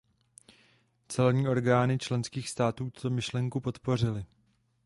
Celní orgány členských států tuto myšlenku podpořily.